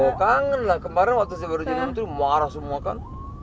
oh kangen lah kemarin waktu saya baru jadi menteri marah semua kan